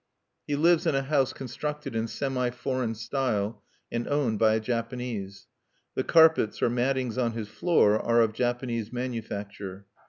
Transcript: He lives in a house constructed in "semi foreign style," and owned by a Japanese. The carpets or mattings on his floor are of Japanese manufacture.